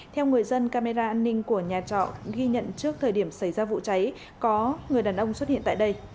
theo người dân camera an ninh của nhà trọ ghi nhận trước thời điểm xảy ra vụ cháy có người đàn ông xuất hiện tại đây